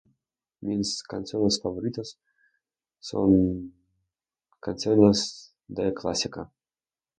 Mis canciones favoritas son canciones... de clásica.